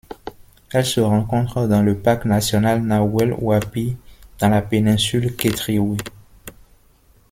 Elle se rencontre dans la parc national Nahuel Huapi dans la péninsule Quetrihué.